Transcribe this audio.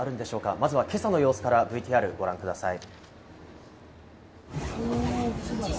まずは今朝の様子からＶＴＲをご覧ください。